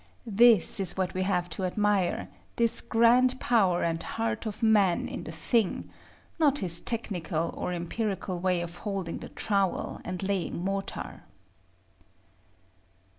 This is what we have to admire, this grand power and heart of man in the thing; not his technical or empirical way of holding the trowel and laying mortar.